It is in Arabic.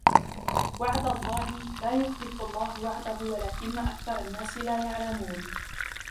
وَعْدَ اللَّهِ لَا يُخْلِفُ اللَّهُ وَعْدَهُ وَلَكِنَّ أَكْثَرَ النَّاسِ لَا يَعْلَمُونَ